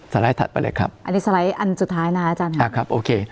ไลด์ถัดไปเลยครับอันนี้สไลด์อันสุดท้ายนะอาจารย์ค่ะนะครับโอเค